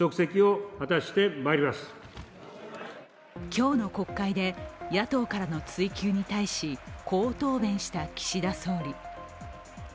今日の国会で野党からの追及に対し、こう答弁した岸田総理。